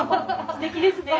すてきですね！